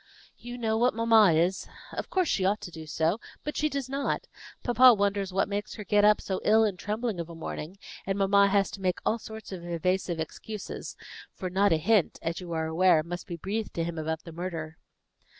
"You know what mamma is. Of course she ought to do so, but she does not. Papa wonders what makes her get up so ill and trembling of a morning; and mamma has to make all sorts of evasive excuses; for not a hint, as you are aware, must be breathed to him about the murder."